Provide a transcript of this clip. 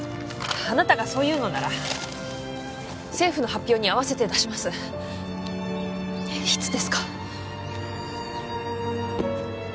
あなたがそう言うのなら政府の発表に合わせて出しますいつですか？